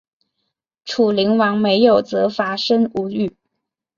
楚灵王没有责罚申无宇。